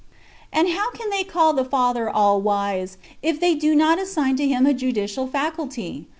And how can they call the Father of all wise, if they do not assign to Him a judicial faculty